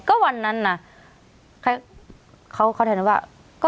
ก็วันนั้นน่ะเขาแทนว่า